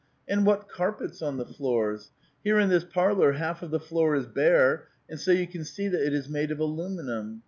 And what carpets on the floors ! Here in this parlor half of the floor is bare, and so 3'ou can see that it is made of aluminum.